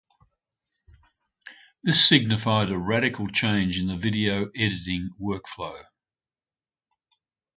This signified a radical change in the video editing workflow.